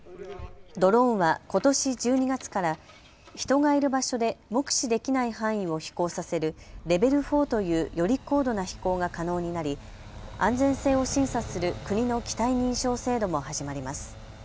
ドローンはことし１２月から人がいる場所で目視できない範囲を飛行させるレベル４というより高度な飛行が可能になり安全性を審査する国の機体認証制度も始まります。